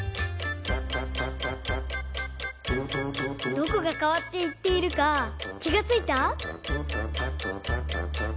どこがかわっていっているかきがついた？